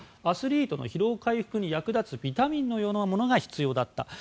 アスリートの疲労回復に役立つビタミンのようなものが必要だった。